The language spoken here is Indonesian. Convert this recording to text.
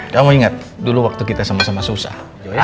kamu ingat dulu waktu kita sama sama susah